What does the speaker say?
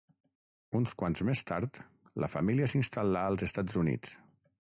Uns quants més tard, la família s'instal·là als Estats Units.